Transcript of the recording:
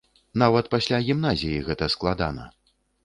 Нават пасля гімназіі гэта складана.